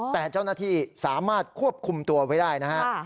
แต่เจ้าหน้าที่สามารถควบคุมตัวไว้ได้นะฮะ